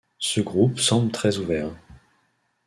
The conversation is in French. Ce groupe semble très ouvert.